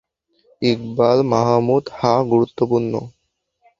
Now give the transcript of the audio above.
ইকবাল মাহমুদ হ্যাঁ, গুরুত্বপূর্ণ।